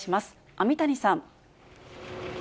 網谷さん。